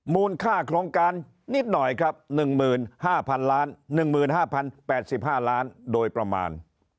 มูลค่าโครงการนิดหน่อยครับหนึ่งหมื่นห้าพันล้านหนึ่งหมื่นห้าพันแปดสิบห้าล้านโดยประมาณ